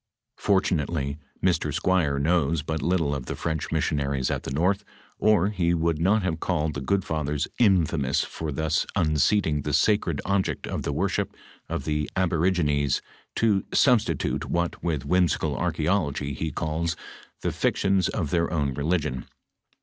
Fortunately Mr. Squier knows but little of the French missionaries at the north, or he would not liave called the good fathers infamous for thOB unseating the sacred object of the worship of the aborigines to substitute what with whimsical nrcha'ology lie calls thejietions of their own religion.